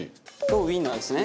とウインナーですね。